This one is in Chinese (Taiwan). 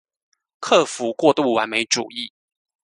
克服過度完美主義